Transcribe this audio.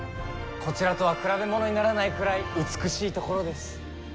こちらとは比べ物にならないくらい美しい所です。